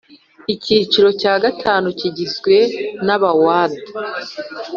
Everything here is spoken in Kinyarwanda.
Icyiciro cya gatanu kigizwe n Abawada